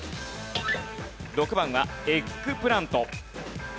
６番はエッグプラント。